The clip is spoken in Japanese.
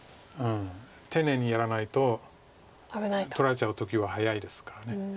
丁寧にやらないと取られちゃう時は早いですから。